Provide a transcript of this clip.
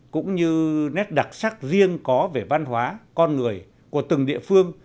cũng như nét đặc sắc riêng có về văn hóa con người của từng địa phương